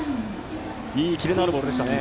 キレのあるいいボールでしたね。